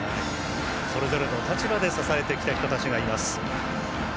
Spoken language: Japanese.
それぞれの立場で支えてきた人たちがいます。